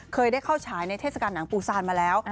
เคยได้เข้าฉายในเทศกาลหนังปูซานมาแล้ว